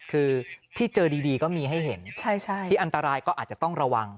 คือที่เจอดีก็มีให้เห็นที่อันตรายก็อาจจะต้องระวัง